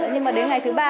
nhưng mà đến ngày thứ ba